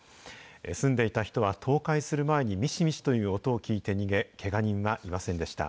住んでいた人は、倒壊する前にみしみしという音を聞いて逃げ、けが人はいませんでした。